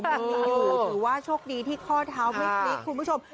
ก็ถือว่าโชคดีที่ข้อเท้าไม่ทริกคุณผู้ชม